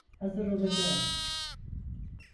Hazır olacağım.